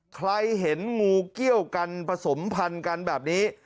ใครเห็นงูเกี้ยวกันผสมพันธุ์กันแบบนี้